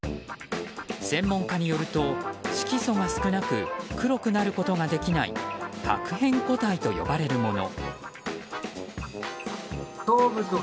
専門家によると、色素が少なく黒くなることができない白変個体と呼ばれるもの。